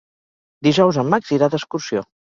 Dijous en Max irà d'excursió.